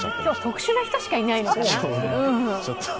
特殊な人しかいないのかな、今日。